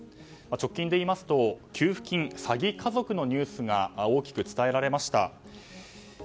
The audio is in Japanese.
直近で言いますと給付金詐欺家族のニュースが大きく伝えられました。